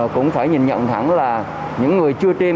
cũng phải nhìn nhận thẳng là những người chưa tin